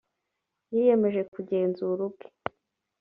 yiyemeje kugenzura ubwe .